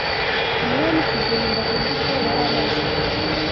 Umwami Kigeli Ndahindurwa yari amaze